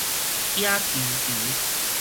野球場